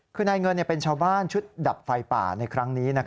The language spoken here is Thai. คือนายเงินเป็นชาวบ้านชุดดับไฟป่าในครั้งนี้